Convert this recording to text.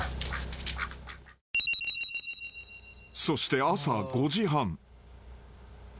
［そして朝５時半］